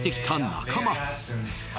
仲間